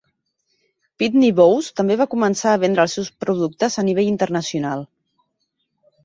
Pitney Bowes també va començar a vendre els seus productes a nivell internacional.